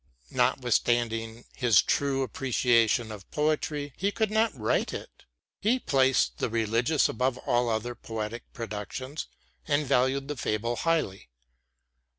Notwithstanding his true appreciation of poetry, he could not write it. He placed the religious above all other poetic productions, and valued the fable highly.